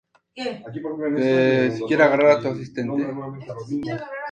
Se estima que el monumento costó unas españolas.